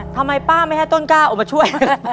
ทำไมป้าไม่ให้ต้นกล้าออกมาช่วย